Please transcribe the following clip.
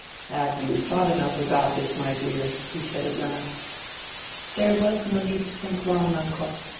"Have you thought enough about this, my dear?" he said at last. "There was no need to think long, uncle.